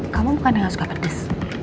kamu bukan yang gak suka pedes